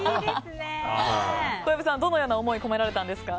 小藪さん、どのような思いを込められたんですか？